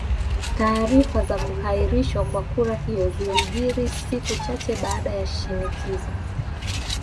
Taarifa za kuahirishwa kwa kura hiyo zilijiri siku chache baada ya shinikizo